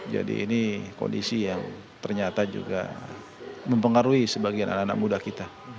jadi ini kondisi yang ternyata juga mempengaruhi sebagian anak anak muda kita